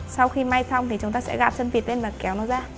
sau khi may xong thì chúng ta sẽ gạp chân vịt lên và kéo nó ra